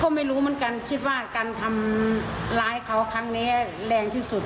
ก็ไม่รู้เหมือนกันคิดว่าการทำร้ายเขาครั้งนี้แรงที่สุด